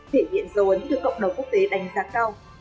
thể hiện dấu ấn được cộng đồng quốc tế đánh giá cao